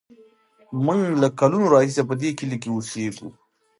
موږ له کلونو راهیسې په دې کلي کې اوسېږو.